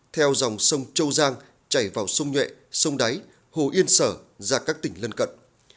theo dòng sông châu giang chảy vào sông nhuệ sông đáy hồ yên sở ra các tỉnh lân cận